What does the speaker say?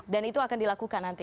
dan itu akan dilakukan nanti